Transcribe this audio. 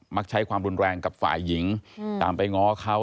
ใช้ความรุนแรงกับฝ่ายหญิงตามไปง้อเขา